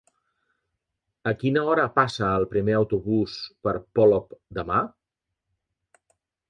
A quina hora passa el primer autobús per Polop demà?